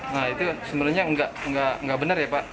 nah itu sebenarnya nggak benar ya pak